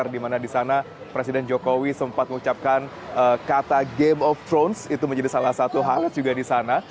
di mana di sana presiden jokowi sempat mengucapkan kata game of thrones itu menjadi salah satu hal juga di sana